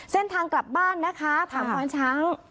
เส้นทางกลับบ้านนะคะทางควานช้าง